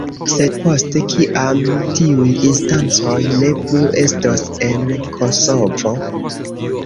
Sed poste, kiam tiuj instancoj ne plu estos en Kosovo?